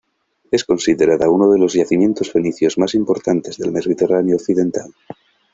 Es considerada uno de los yacimientos fenicios más importantes del mediterráneo occidental.